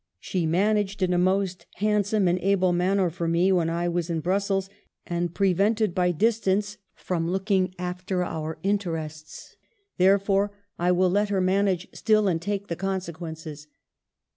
" She managed, in a most hand some and able manner for me when *I was in Brussels, and prevented by distance from look ing after our interests, therefore I will let her 'SHIRLEY: 287 manage still and take the consequences.